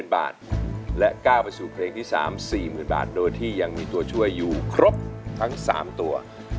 และก้าวไปสู่เพลงที่๓๔๐๐๐บาทโดยที่ยังมีตัวช่วยอยู่ครบทั้ง๓ตัว